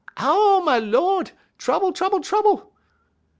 "'Ow, ma Lord! _Trouble, trouble, trouble!